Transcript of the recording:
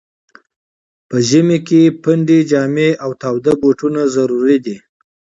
په ژمي کي پنډي جامې او تاوده بوټونه ضرور دي.